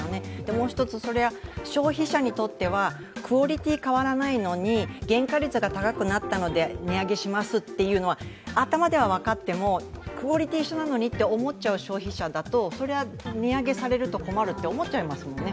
もう１つ、消費者にとってはクオリティー変わらないのに原価率が高くなったので値上げしますっていうのは頭では分かっても、クオリティー一緒なのにと思ってしまう消費者だとそれは値上げされると困ると思っちゃいますもんね。